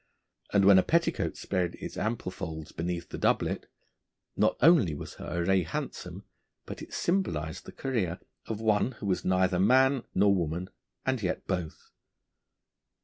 And when a petticoat spread its ample folds beneath the doublet, not only was her array handsome, but it symbolised the career of one who was neither man nor woman, and yet both.